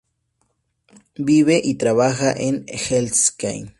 Vive y trabaja en Helsinki.